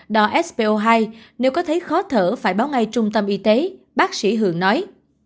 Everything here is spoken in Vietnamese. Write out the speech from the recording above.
đo spo hai nếu có thấy khó thở phải báo ngay trung tâm y tế bác sĩ hường nói